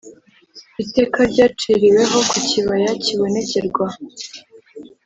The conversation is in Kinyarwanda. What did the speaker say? Iteka ryaciriwe ku kibaya cy’ibonekerwa.